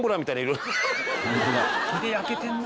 日で焼けてんな。